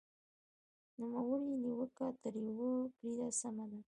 نوموړې نیوکه تر یوه بریده سمه ده.